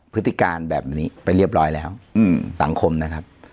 พฤติการแบบนี้ไปเรียบร้อยแล้วสังคมนะครับ